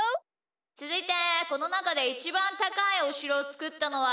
つづいてこのなかでイチバンたかいおしろをつくったのは？